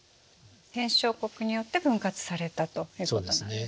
戦勝国によって分割されたということなんですね。